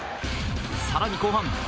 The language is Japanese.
更に後半。